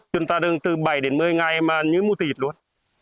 chúng ta đứng từ bảy đến một mươi ngày mà như mua tịt luôn